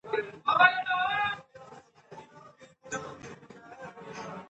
تعلیم یافته کسان د سیمه ایزې ستونزو د حل په برخه کې مشري کوي.